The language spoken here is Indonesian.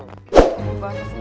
gue basah semua